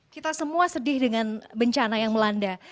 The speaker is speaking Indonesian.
kita semua sedih dengan bencana yang melanda